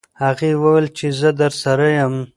هغې وویل چې زه درسره یم.